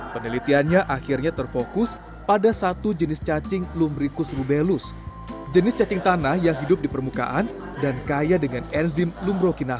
penelitiannya akhirnya terfokus pada satu jenis cacing lumricus rubellus jenis cacing tanah yang hidup di permukaan dan kaya dengan enzim lumrokina